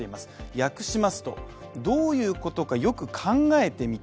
訳しますと、どういうことか、よく考えてみて。